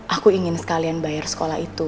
aku ingin sekalian bayar sekolah itu